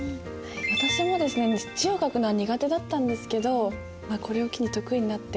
私もですね字を書くのは苦手だったんですけどこれを機に得意になって。